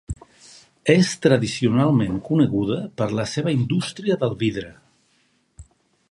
És tradicionalment coneguda per la seva indústria del vidre.